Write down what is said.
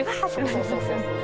そうですね。